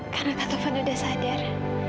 karena kak tovan sudah sadar